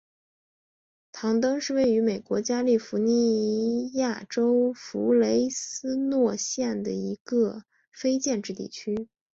康登是位于美国加利福尼亚州弗雷斯诺县的一个非建制地区。